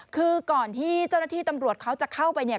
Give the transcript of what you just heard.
คือก่อนที่เจ้าหน้าที่ตำรวจเขาจะเข้าไปเนี่ย